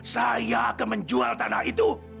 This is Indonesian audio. saya akan menjual tanah itu